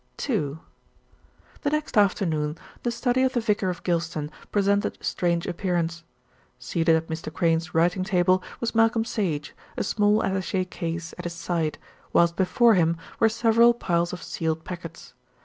II The next afternoon the study of the vicar of Gylston presented a strange appearance. Seated at Mr. Crayne's writing table was Malcolm Sage, a small attaché case at his side, whilst before him were several piles of sealed packets.